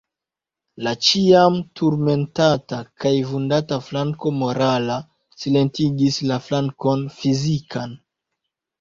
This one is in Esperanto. La ĉiam turmentata kaj vundata flanko morala silentigis la flankon fizikan.